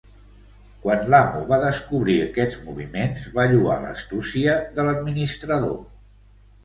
Quan l'amo va descobrir aquests moviments, va lloar l'astúcia de l'administrador.